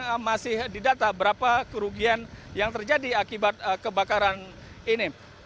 apakah masih didata berapa kerugian yang terjadi akibat kebakaran ini